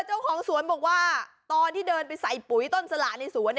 เจ้าของสวนบอกว่าตอนที่เดินไปใส่ปุ๋ยต้นสละในสวน